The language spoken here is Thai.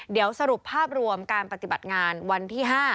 เดี๋ยวสรุปภาพรวมการปฏิบัติงานวันที่๕